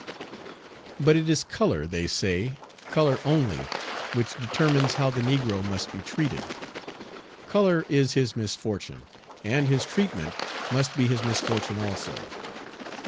But it is color, they say, color only, which determines how the negro must be treated. Color is his misfortune, and his treatment must be his misfortune also.